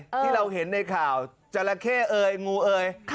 ที่เราเห็นในข่าวจราเข้เอ่ยงูเอย